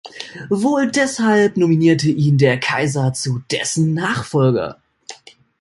Wohl deshalb nominierte ihn der Kaiser zu dessen Nachfolger.